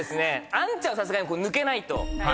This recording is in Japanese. アンちゃんはさすがに抜けないと。